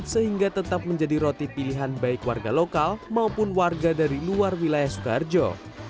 sehingga tetap menjadi roti pilihan baik warga lokal maupun warga dari luar wilayah soekarjo